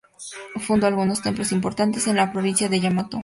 Fundó algunos templos importantes en la provincia de Yamato.